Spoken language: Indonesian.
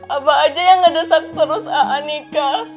abah aja yang ngedesak terus aa nikah